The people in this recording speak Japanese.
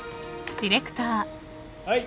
はい。